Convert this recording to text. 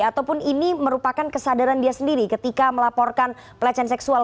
ataupun ini merupakan kesadaran dia sendiri ketika melaporkan pelecehan seksual